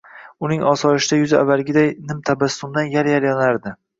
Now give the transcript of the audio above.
Uning osoyishta yuzi avvalgiday nimtabassumdan yal-yal yonardi